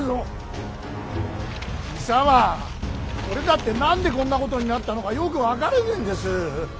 俺だって何でこんなことになったのかよく分からねえんです。